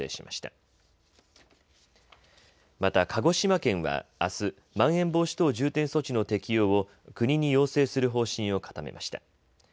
また、鹿児島県はあすまん延防止等重点措置の適用を国に要請する方針を固めました。